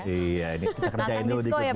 iya ini kita kerjain dulu di good morning